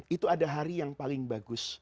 itu ada hari yang paling bagus